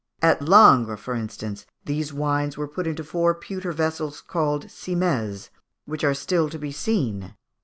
At Langres, for instance, these wines were put into four pewter vessels called cimaises, which are still to be seen.